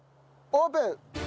オープン！